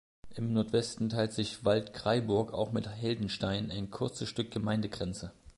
Im Nordwesten teilt sich Waldkraiburg auch mit Heldenstein ein kurzes Stück Gemeindegrenze.